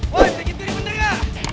wah dia gitu di pendera